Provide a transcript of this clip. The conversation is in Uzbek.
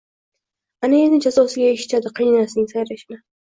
Аna endi jazosiga eshitadi qaynanasining sayrashini!